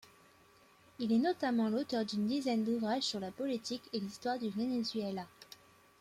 Il est notamment l’auteur d'une dizaine d'ouvrages sur la politique et l'histoire du Venezuela.